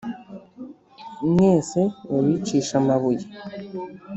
Mwese babicishe amabuye